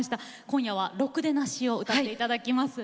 今夜は「ろくでなし」を歌って頂きます。